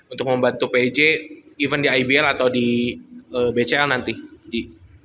untuk membantu pj even di ibl atau di bcl nanti ji